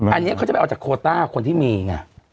อันนี้เขาจะไปเอาจากโคต้าคนที่มีไง